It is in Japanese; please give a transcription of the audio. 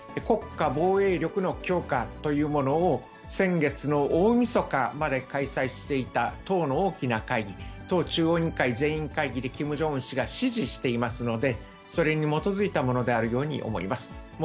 国家防衛力の強化というものを先月の大みそかまで開催していた党の大きな会議、党中央委員会全員会議でキム・ジョンウン氏が指示していますので、それに基づいたものであるように思います。